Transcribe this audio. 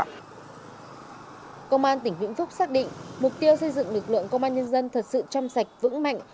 công an tỉnh vĩnh phúc xác định mục tiêu xây dựng lực lượng công an nhân dân thật sự trong sạch vững mạnh